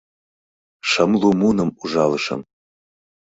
Шымлу муным ужалышым.